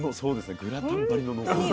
グラタン張りの濃厚さ。